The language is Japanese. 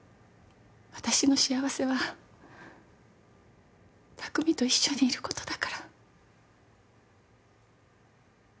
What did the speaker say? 私の幸せは拓海と一緒にいることだから。